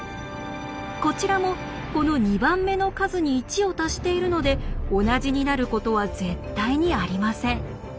こちらもこの２番目の数に１を足しているので同じになることは絶対にありません。